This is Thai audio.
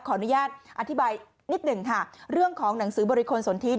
ขออนุญาตอธิบายนิดหนึ่งค่ะเรื่องของหนังสือบริคลสนทิ